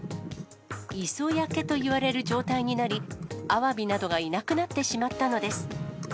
磯焼けといわれる状態になり、アワビなどがいなくなってしまったのです。